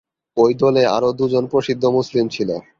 ওই দলে আরও দুজন প্রসিদ্ধ মুসলিম ছিলো।